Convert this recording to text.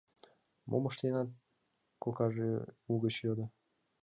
— Мом ыштенат? — кокаже угыч йодо.